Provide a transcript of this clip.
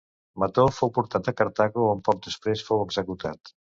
Mató fou portat a Cartago on poc després fou executat.